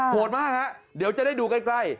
โหดมากครับเดี๋ยวจะได้ดูใกล้